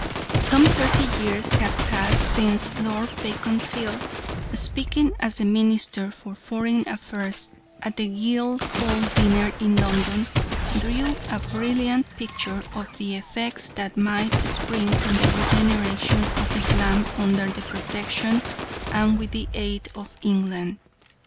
Some thirty years have passed since Lord Beaconsfield, speaking as the Minister for Foreign Affairs at the Guildhall dinner in London, drew a brilliant picture of the effects that might spring from the regeneration of Islam under the protection and with the aid of England.